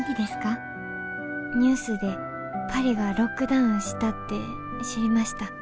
ニュースでパリがロックダウンしたって知りました。